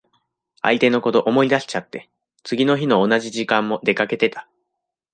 相手のこと思い出しちゃって、次の日の同じ時間も出かけてた。